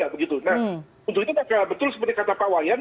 nah untuk itu maka betul seperti kata pak wayan